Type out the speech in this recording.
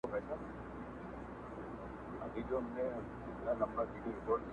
وطن چي ښځو لره زندان سي -